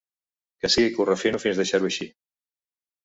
Que sí que ho refino fins deixar-ho així.